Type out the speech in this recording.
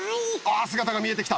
あ姿が見えてきた！